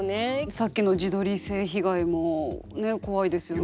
さっきの自撮り性被害もね怖いですよね。